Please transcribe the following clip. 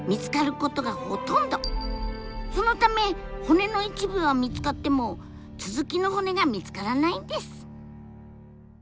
そのため骨の一部は見つかっても続きの骨が見つからないんです。